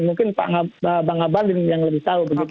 mungkin pak bangabalin yang lebih tahu begitu